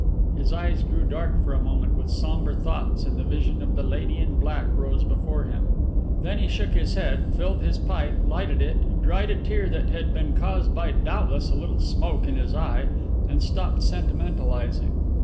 His eyes grew dark for a moment with somber thoughts and the vision of the Lady in Black rose before him; then he shook his head, filled his pipe, lighted it, dried a tear that had been caused doubtless by a little smoke in his eye, and stopped sentimentalizing.